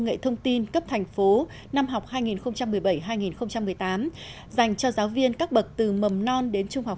nghệ thông tin cấp thành phố năm học hai nghìn một mươi bảy hai nghìn một mươi tám dành cho giáo viên các bậc từ mầm non đến trung học